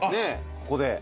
ここで。